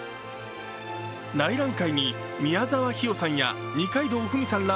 内覧会に宮沢氷魚さんや二階堂ふみさんら